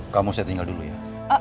kamu saya tinggal dulu ya